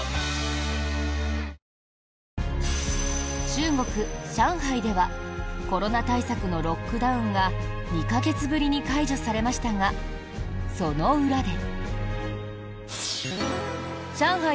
中国・上海ではコロナ対策のロックダウンが２か月ぶりに解除されましたがその裏で。